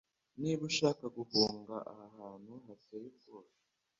niba ushaka guhunga aha hantu hateye ubwoba